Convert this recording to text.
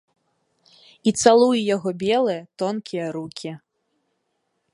І цалую яго белыя тонкія рукі.